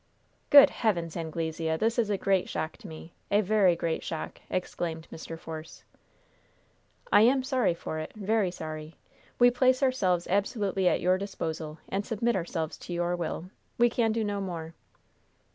"Good heavens, Anglesea! this is a great shock to me! a very great shock!" exclaimed Mr. Force. "I am sorry for it very sorry. We place ourselves absolutely at your disposal, and submit ourselves to your will. We can do no more."